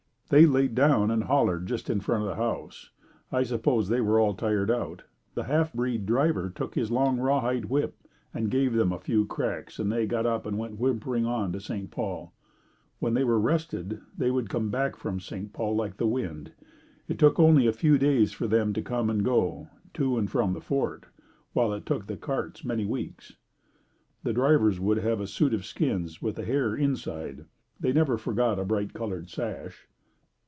They laid down and hollered just in front of the house. I suppose they were all tired out. The half breed driver took his long rawhide whip and give them a few cracks and they got up and went whimpering on to St. Paul. When they were rested, they would come back from St. Paul, like the wind. It only took a few days for them to come and go, to and from the fort, while it took the carts many weeks. The drivers would have suits of skin with the hair inside. They never forgot a bright colored sash.